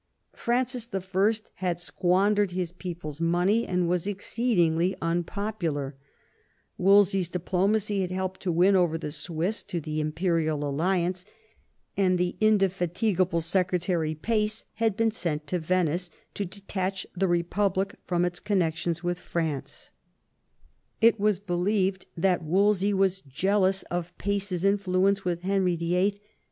Francis L had squandered his people's money, and was exceed ingly unpopular ; Wolsey's diplomacy had helped to win over the Swiss to the imperial alliance; and the inde fatigable secretary Pace had been sent to Venice to detach the republic from its connexion with Franca It was believed that Wolsey was jealous of Pace's influence with Henry VIH.